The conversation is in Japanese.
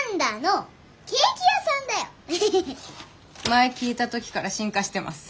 前聞いた時から進化してます。